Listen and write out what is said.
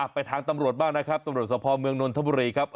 ไปทางตำรวจบ้างนะครับตำรวจสภเมืองนนทบุรีครับ